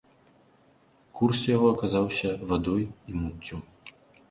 Курс яго аказаўся вадой і муццю.